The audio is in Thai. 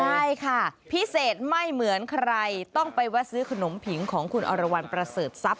ใช่ค่ะพิเศษไม่เหมือนใครต้องไปแวะซื้อขนมผิงของคุณอรวรรณประเสริฐทรัพย